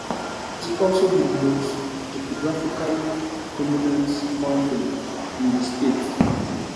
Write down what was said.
It is also the most topographically prominent mountain in the state.